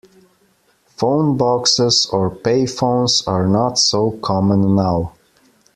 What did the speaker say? Phone boxes or payphones are not so common now